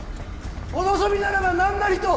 お望みならば何なりと！